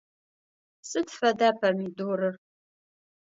Сыд фэда помидорыр?